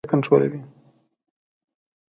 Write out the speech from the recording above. پوټکی د تودوخې درجه کنټرولوي